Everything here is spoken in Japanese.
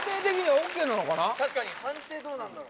・確かに判定どうなんだろう？